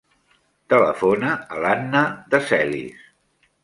Telefona a l'Anna De Celis.